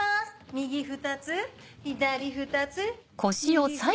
右２つ左２つ